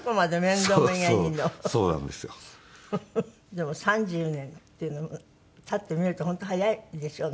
でも３０年っていうのも経ってみると本当早いですよね。